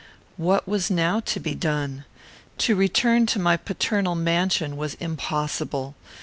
What was now to be done? To return to my paternal mansion was impossible.